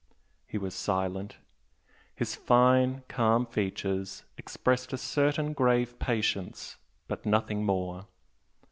He was silent. His fine, calm features expressed a certain grave patience, but nothing more.